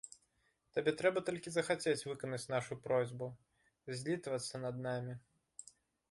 Табе трэба толькі захацець выканаць нашу просьбу, злітавацца над намі.